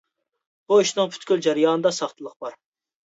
بۇ ئىشنىڭ پۈتكۈل جەريانىدا ساختىلىق بار.